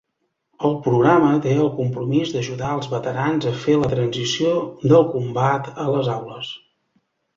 El programa té el compromís d'ajudar els veterans a fer la transició del combat a les aules.